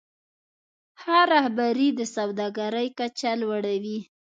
ښه رهبري د سوداګرۍ کچه لوړوي.